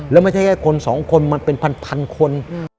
แล้วไม่ใช่แค่คนสองคนมันเป็นพันคน